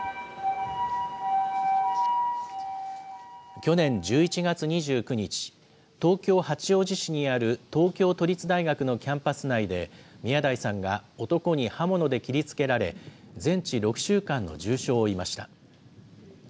去年１１月２９日、東京・八王子市にある東京都立大学のキャンパス内で、宮台さんが男に刃物で切りつけられ、全治６週間の重傷を負いました。